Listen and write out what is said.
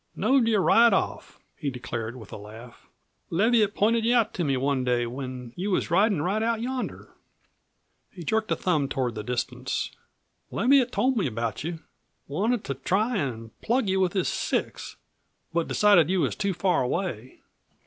"Knowed you right off," he declared, with a laugh. "Leviatt pointed you out to me one day when you was ridin' out yonder." He jerked a thumb toward the distance. "Leviatt told me about you. Wanted to try an' plug you with his six, but decided you was too far away."